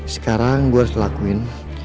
sekarang gue harus lakuin